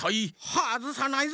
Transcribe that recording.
はずさないぞ！